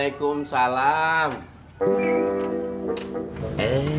aku terus banget giaces